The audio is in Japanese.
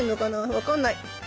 分かんない。